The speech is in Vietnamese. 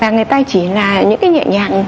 người ta chỉ là những cái nhẹ nhàng